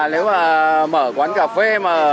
nếu mà mở quán cà phê